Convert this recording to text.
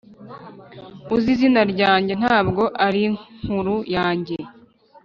uzi izina ryanjye ntabwo arinkuru yanjye.